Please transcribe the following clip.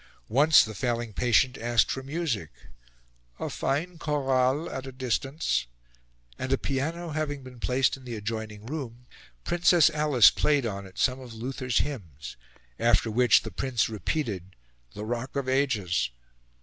Once the failing patient asked for music "a fine chorale at a distance;" and a piano having been placed in the adjoining room, Princess Alice played on it some of Luther's hymns, after which the Prince repeated "The Rock of Ages."